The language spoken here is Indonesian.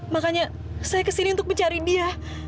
makanya saya kesini untuk mencari dia